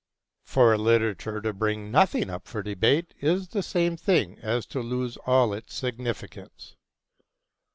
For a literature to bring nothing up for debate is the same thing as to lose all its significance.